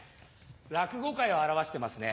落語界を表してますね。